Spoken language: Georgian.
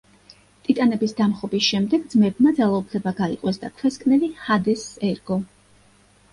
ტიტანების დამხობის შემდეგ ძმებმა ძალაუფლება გაიყვეს და ქვესკნელი ჰადესს ერგო.